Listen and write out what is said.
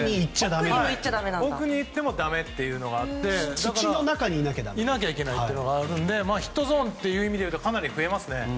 奥に行ってもだめというのがあって土の中にいなきゃだめというのでヒットゾーンという意味で言うとかなり増えますね。